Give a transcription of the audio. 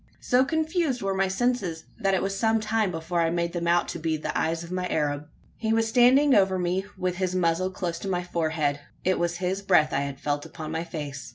So confused were my senses, that it was some time before I made them out to be the eyes of my Arab. He was standing over me, with his muzzle close to my forehead. It was his breath I had felt upon my face.